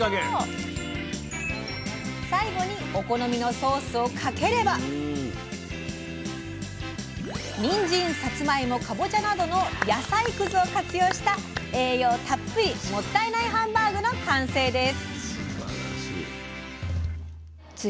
最後にお好みのソースをかければにんじんさつまいもかぼちゃなどの野菜くずを活用した栄養たっぷりもったいないハンバーグの完成です。